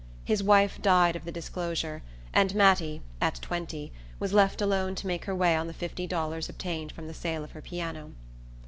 His wife died of the disclosure, and Mattie, at twenty, was left alone to make her way on the fifty dollars obtained from the sale of her piano.